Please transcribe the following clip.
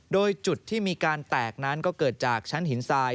โดยจุดที่มีการแตกนั้นก็เกิดจากชั้นหินทราย